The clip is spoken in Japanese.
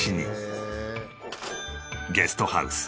ゲストハウス